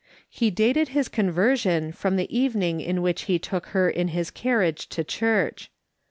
He dated his conversion from the evening in which he took her in his carriage to church.